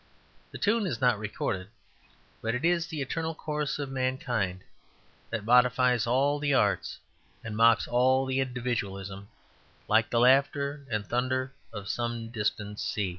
The tune is not recorded, but it is the eternal chorus of mankind, that modifies all the arts and mocks all the individualisms, like the laughter and thunder of some distant sea.